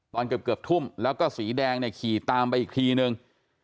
ตอนเกือบทุ่มแล้วก็สีแดงเนี่ยขี่ตามไปอีกทีนึง